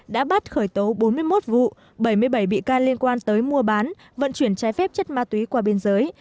đã bắt khởi tố bốn mươi một vụ bảy mươi bảy bị can liên quan tới mua bán vận chuyển trái phép chất ma túy qua biên giới